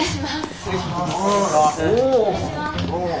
失礼します。